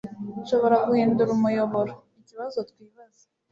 Nshobora guhindura umuyoboroikibazo twibaza